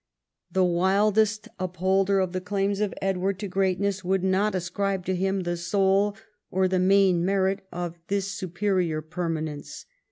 The wildest upholder of the claims of EdAA'ard to greatness would not ascribe to him the sole or the main merit of this superior permanence.